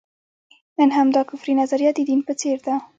نن همدا کفري نظریه د دین په څېر ده.